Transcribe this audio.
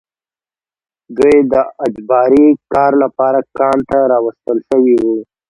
دوی د اجباري کار لپاره کان ته راوستل شوي وو